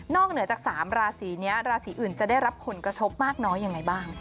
เหนือจาก๓ราศีนี้ราศีอื่นจะได้รับผลกระทบมากน้อยยังไงบ้าง